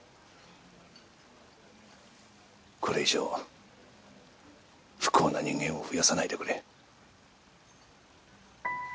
これ以上不幸な人間を増やさないでくれ。